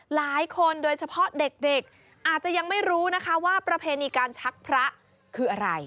หลายคนโดยเฉพาะเด็กอาจจะยังไม่รู้นะคะว่าประเพณีการชักพระคืออะไร